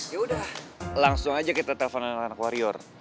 yaudah langsung aja kita telepon anak anak warior